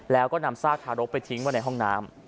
แล้วก็นำซากทารกไปทิ้งไว้ในห้องน้ำ